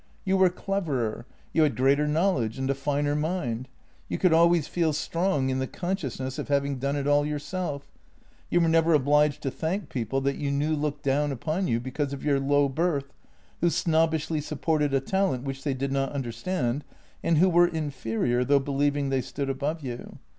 You were cleverer; you had greater knowledge and a finer mind. You could always feel strong in the consciousness of having done it all yourself. You were never obliged to thank people that you knew looked down upon you because of your low birth, who snobbishly sup ported a talent which they did not understand, and who were inferior, though believing they stood above you.